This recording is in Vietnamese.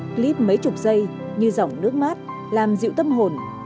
clip mấy chục giây như dòng nước mát làm dịu tâm hồn